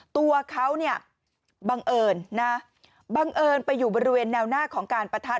ตัวเขาเนี่ยบังเอิญนะบังเอิญไปอยู่บริเวณแนวหน้าของการประทัด